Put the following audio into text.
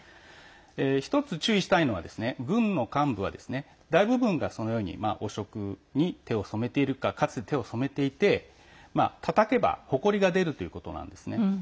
一つ注意したいのは、軍の幹部は大部分が汚職に手を染めているかかつて手を染めていてたたけば、ほこりが出るということなんですね。